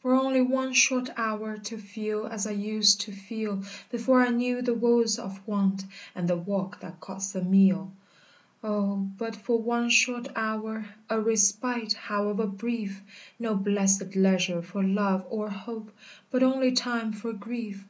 For only one short hour To feel as I used to feel, Before I knew the woes of want And the walk that costs a meal! "O but for one short hour, A respite, however brief! No blessèd leisure for love or hope, But only time for grief!